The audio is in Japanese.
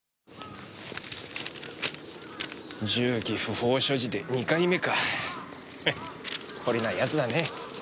銃器不法所持で２回目か懲りないやつだね。